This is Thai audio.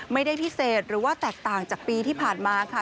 ไม่ได้พิเศษหรือว่าแตกต่างจากปีที่ผ่านมาค่ะ